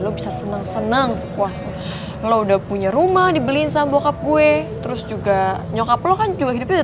oke lo harus pinter kayak gue ya